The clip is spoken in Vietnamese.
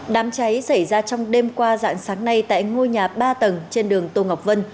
đám cháy xảy ra trong đêm qua dạng sáng nay tại ngôi nhà ba tầng trên đường tô ngọc vân